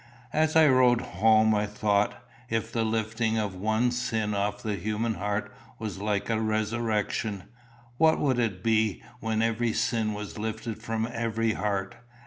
As I rode home I thought, if the lifting of one sin off the human heart was like a resurrection, what would it be when every sin was lifted from every heart!